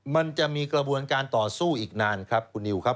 มันจะมีกระบวนการต่อสู้อีกนานครับคุณนิวครับ